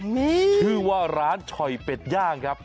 มีชื่อว่าร้านช่อยเป็ดย่างครับ